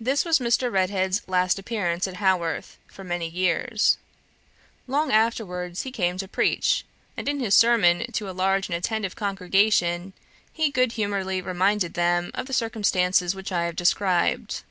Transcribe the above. This was Mr. Redhead's last appearance at Haworth for many years. Long afterwards, he came to preach, and in his sermon to a large and attentive congregation he good humouredly reminded them of the circumstances which I have described.